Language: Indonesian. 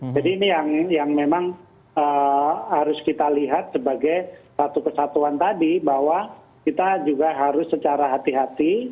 jadi ini yang memang harus kita lihat sebagai satu kesatuan tadi bahwa kita juga harus secara hati hati